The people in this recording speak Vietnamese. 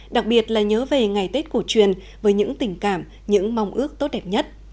đặc biệt là nhớ về ngày tết cổ truyền với những tình cảm những mong ước tốt đẹp nhất